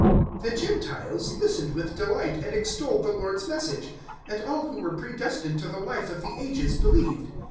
'" 013:048 The Gentiles listened with delight and extolled the Lord's Message; and all who were pre destined to the Life of the Ages believed.